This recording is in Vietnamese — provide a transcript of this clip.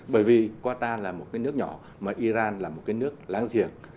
bởi vì qatar là một cái nước nhỏ mà iran là một cái nước láng giềng